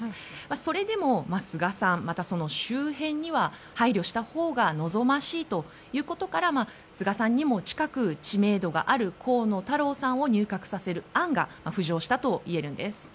それでも菅さんその周辺には配慮したほうが望ましいということから菅さんにも近く知名度がある河野太郎さんを入閣させる案が浮上したといえるんです。